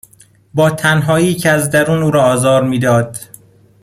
با تنهایی که از درون او را آزار میداد،